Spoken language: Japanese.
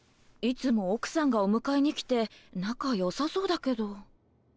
いつも奥さんがお迎えに来て仲良さそうだけど。